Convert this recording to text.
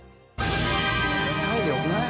１回でよくない？